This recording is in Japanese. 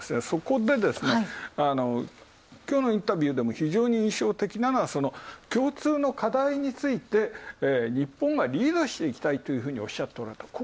そこできょうのインタビューでも非常に印象的なのは、共通の課題について日本がリードしていきたいというふうにおっしゃっておられた。